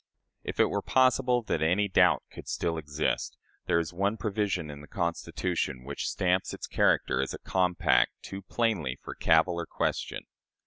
If it were possible that any doubt could still exist, there is one provision in the Constitution which stamps its character as a compact too plainly for cavil or question.